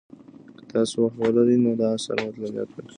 که تاسو وخت لرئ نو دا اثر مطالعه کړئ.